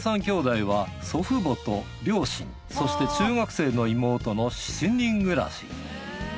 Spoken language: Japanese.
きょうだいは祖父母と両親そして中学生の妹の７人暮らし。